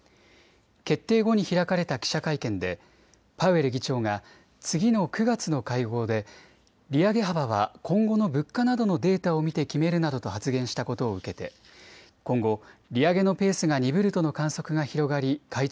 決定後に開かれた記者会見でパウエル議長が次の９月の会合で利上げ幅は今後の物価などのデータを見て決めるなどと発言したことを受けて今後、利上げのペースが鈍るとの観測が広がり買い